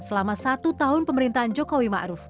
selama satu tahun pemerintahan jokowi ma'ruf